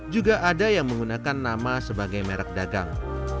juga ada yang menggunakan nama sebagai merek dagang